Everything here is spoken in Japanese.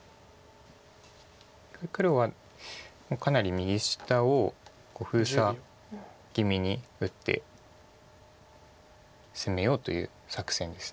黒はかなり右下を封鎖気味に打って攻めようという作戦です。